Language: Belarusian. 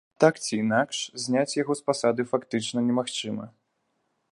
Так ці інакш, зняць яго з пасады фактычна немагчыма.